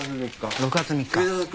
６月３日。